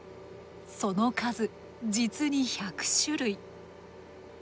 その数実に１００種類。